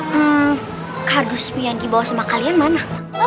hmm kardus yang dibawa sama kalian mana